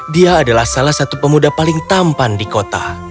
dia adalah salah satu pemuda paling tampan di kota